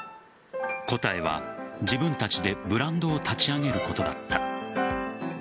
答えは自分たちでブランドを立ち上げることだった。